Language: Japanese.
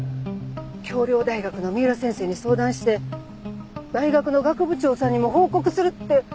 京陵大学の三浦先生に相談して大学の学部長さんにも報告するって。